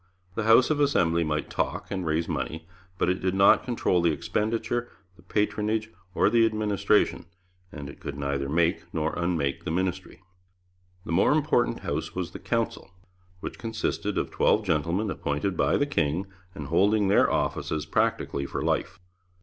The House of Assembly might talk, and raise money, but it did not control the expenditure, the patronage, or the administration, and it could neither make nor unmake the ministry. The more important House was the Council, which consisted of twelve gentlemen appointed by the king, and holding their offices practically for life.